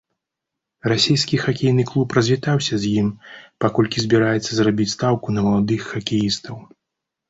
Расійскі хакейны клуб развітаўся з ім, паколькі збіраецца зрабіць стаўку на маладых хакеістаў.